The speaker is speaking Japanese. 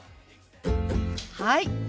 はい！